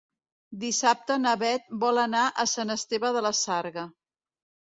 Dissabte na Beth vol anar a Sant Esteve de la Sarga.